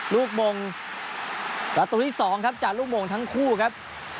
มงประตูที่๒ครับจากลูกโมงทั้งคู่ครับ